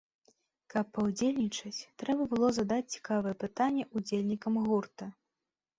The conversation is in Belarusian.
Каб паўдзельнічаць, трэба было задаць цікавае пытанне удзельнікам гурта.